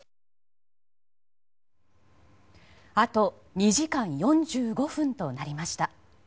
あと２時間４５分となりました。